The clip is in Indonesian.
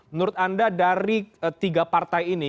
menurut anda dari tiga partai ini